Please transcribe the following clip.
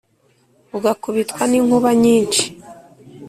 ugakubitwa ni nkuba nyinshi